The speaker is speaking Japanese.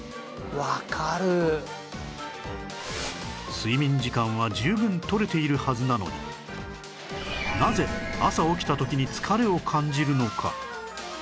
睡眠時間は十分とれているはずなのになぜ朝起きた時に疲れを感じるのか？